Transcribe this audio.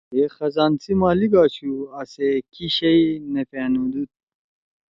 ہے خزان سی مالک آشُو آسے کی شیئی نہ پیِانُودُود۔